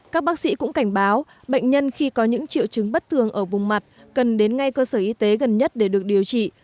các bác sĩ cũng cảnh báo bệnh nhân khi có những triệu chứng bất thường ở vùng mặt cần đến ngay cơ sở y tế gần nhất để được điều trị